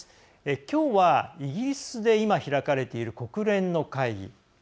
きょうは、イギリスで今開かれている国連の会議